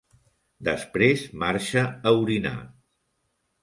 Després marxa a orinar.